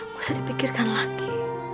gak usah dipikirkan lagi